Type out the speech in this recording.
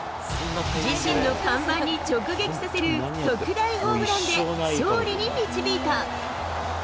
自身の看板に直撃させる、特大ホームランで勝利に導いた。